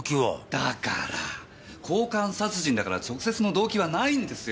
だから交換殺人だから直接の動機はないんですよ！